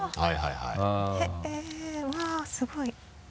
はい。